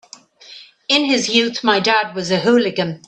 In his youth my dad was a hooligan.